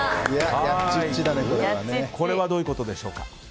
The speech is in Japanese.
これはどういうことでしょうか。